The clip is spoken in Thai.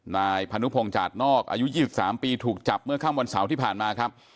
นายพนุพงศ์จาดนอกอายุ๒๓ปีถูกจับเมื่อค่ำวันเสาร์ที่ผ่านมาครับ